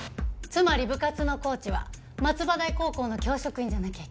つまり部活のコーチは松葉台高校の教職員じゃなきゃいけないの。